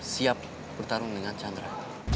siap bertarung dengan chandra